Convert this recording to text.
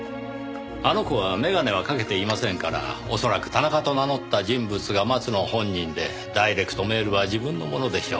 あの子は眼鏡はかけていませんから恐らく田中と名乗った人物が松野本人でダイレクトメールは自分のものでしょう。